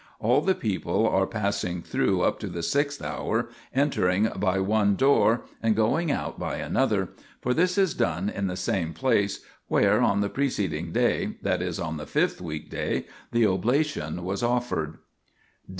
76 THE PILGRIMAGE OF ETHERIA people are passing through up to the sixth hour, entering by one door and going out by another ; for this is done in the same place where, on the preced ing day, that is, on the fifth weekday, the oblation was offered.